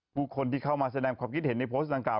ผู้คนที่เข้ามาแสดงความคิดเห็นในโพสต์ดังกล่า